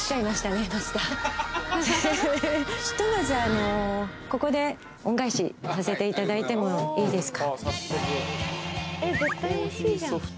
ひとまずここで恩返しさせていただいてもいいですか？